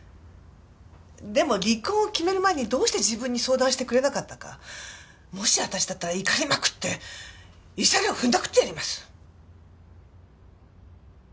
でも離婚を決める前にどうして自分に相談してくれなかったかもし私だったら怒りまくって慰謝料ふんだくってやります！